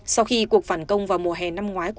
sau khi cuộc phản công vào mùa hè năm ngoái